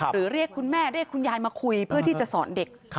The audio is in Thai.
เรียกคุณแม่เรียกคุณยายมาคุยเพื่อที่จะสอนเด็ก